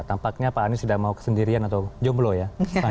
tampaknya pak anies tidak mau kesendirian atau jomblo ya